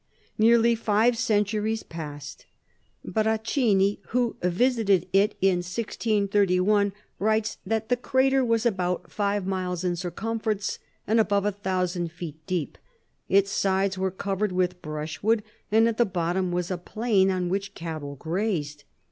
Nearly five centuries passed. Bracini, who visited it in 1631, writes that "the crater was about five miles in circumference, and above a thousand feet deep; its sides were covered with brushwood, and at the bottom was a plain on which cattle grazed.